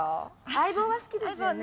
『相棒』は好きですよね。